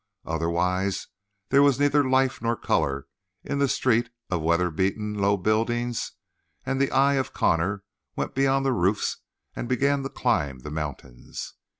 Otherwise there was neither life nor color in the street of weather beaten, low buildings, and the eye of Connor went beyond the roofs and began to climb the mountains.